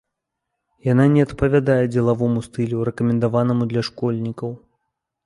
Яна не адпавядае дзелавому стылю, рэкамендаванаму для школьнікаў.